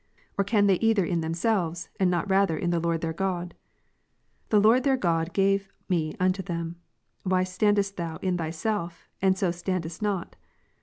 or can they either in themselves, and not rather in the Lord their God ? The Lord their God gave me unto them. Why standest thou in thyself, and so standest not